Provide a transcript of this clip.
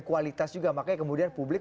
kualitas juga makanya kemudian publik